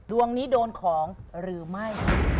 ดวงนี้โดนของหรือไม่